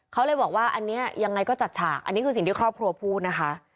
เขาเลยบอกว่าอันนี้ยังไงก็จัดฉากอันนี้คือสิ่งที่ครอบครัวพูดนะคะ